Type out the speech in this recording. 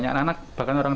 jadi ini adalah satu satunya